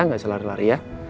nggak usah lari lari ya